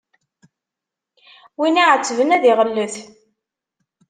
Win iɛettben ad iɣellet.